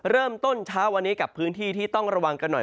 เริ่มต้นเช้าวันนี้กับพื้นที่ที่ต้องระวังกันหน่อย